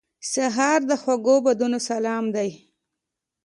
سهار د خوږو بادونو سلام دی.